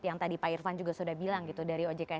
yang tadi pak irvan juga sudah bilang dari ojk nya